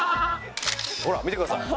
ほら見てください。